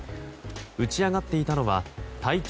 打ち揚がっていたのは体長